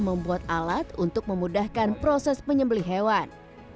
membuat alat untuk memudahkan proses menyembeli hewan